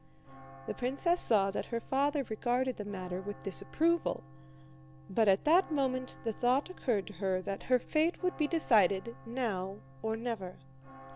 The princess saw that her father regarded the matter with disapproval, but at that moment the thought occurred to her that her fate would be decided now or never.